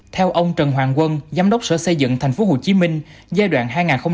theo ông trần hoàng quân giám đốc sở xây dựng tp hcm giai đoạn hai nghìn hai mươi một hai nghìn hai mươi năm